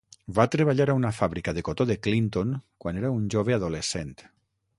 Va treballar a una fàbrica de cotó de Clinton quan era un jove adolescent.